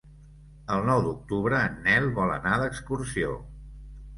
El nou d'octubre en Nel vol anar d'excursió.